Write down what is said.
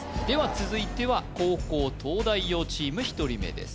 続いては後攻東大王チーム１人目です